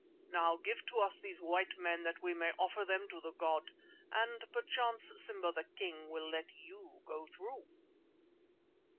Now, give to us these white men that we may offer them to the god, and perchance Simba the King will let you go through."